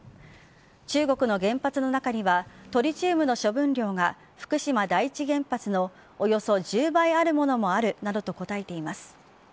中国の原発の中ではトリチウムの処理分が福島第１原発のおよそ１０倍あるものもあると答えています。